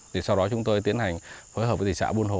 thì sau đó chúng tôi tiến hành phối hợp với thị xã buôn hồ